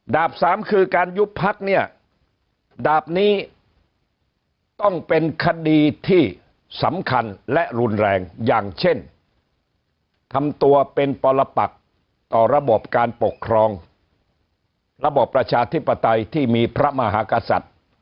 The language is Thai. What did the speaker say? สามคือการยุบพักเนี่ยดาบนี้ต้องเป็นคดีที่สำคัญและรุนแรงอย่างเช่นทำตัวเป็นปรปักต่อระบบการปกครองระบบประชาธิปไตยที่มีพระมหากษัตริย์